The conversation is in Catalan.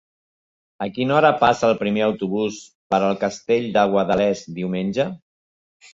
A quina hora passa el primer autobús per el Castell de Guadalest diumenge?